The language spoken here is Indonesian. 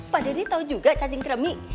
pak deddy tahu juga cacing keremik